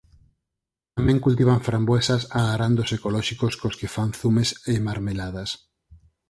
Tamén cultivan framboesas a arandos ecolóxicos cos que fan zumes e marmeladas.